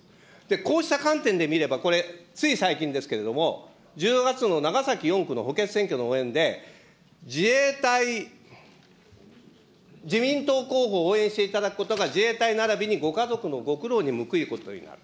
こうした観点で見れば、これ、つい最近ですけれども、１０月の長崎４区の補欠選挙の応援で、自衛隊、自民党候補を応援していただくことが、自衛隊ならびにご家族のご苦労に報いることになる。